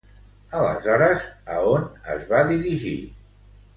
Aleshores, a on es va dirigir?